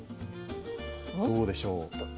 どうでしょう？